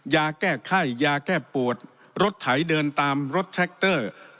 ยาแก้ไข้ยาแก้ปวดรถไถเดินตามรถแทรคเตอร์